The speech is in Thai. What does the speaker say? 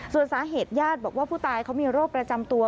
ส่วนสาเหตุญาติบอกว่าผู้ตายเขามีโรคประจำตัว